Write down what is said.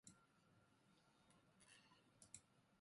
がんばろう